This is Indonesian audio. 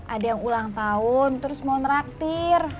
ada yang ulang tahun terus mau naktir